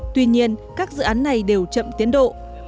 tuy nhiên các dự án này đều chậm tiến độ